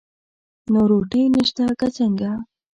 نو روټۍ نشته که څنګه؟